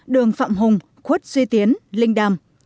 đường phạm hùng khuất duy tiến linh đàm